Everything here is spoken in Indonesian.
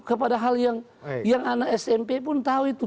kepadahal yang anak smp pun tahu itu